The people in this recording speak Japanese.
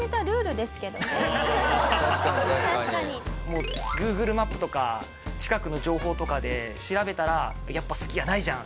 もうＧｏｏｇｌｅマップとか近くの情報とかで調べたらやっぱすき家ないじゃん。